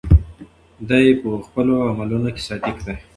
دی په خپلو عملونو کې صادق دی.